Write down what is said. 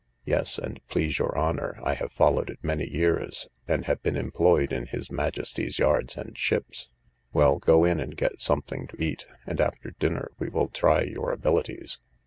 Yes, and please your honour; I have followed it many years, and have been employed in his majesty's yards and ships. Well, go in and get something to eat; and after dinner we will try your abilities.